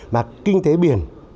mà kinh tế biển